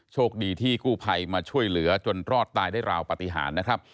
โชคดีที่กู้ภัยมาช่วยเหลือจนรอดตายได้ราวปฏิหารนะครับ